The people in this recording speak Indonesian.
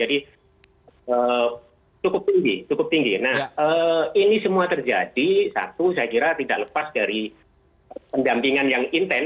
jadi cukup tinggi nah ini semua terjadi satu saya kira tidak lepas dari pendampingan yang intent